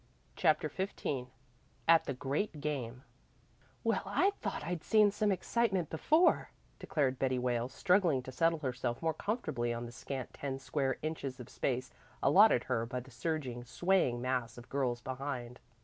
CHAPTER XV AT THE GREAT GAME "Well, I thought I'd seen some excitement before," declared Betty Wales, struggling to settle herself more comfortably on the scant ten square inches of space allotted her by the surging, swaying mass of girls behind.